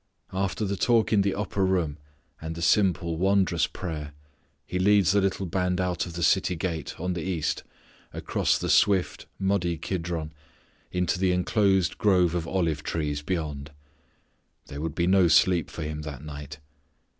After the talk in the upper room, and the simple wondrous prayer, He leads the little band out of the city gate on the east across the swift, muddy Kidron into the inclosed grove of olive trees beyond. There would be no sleep for Him that night.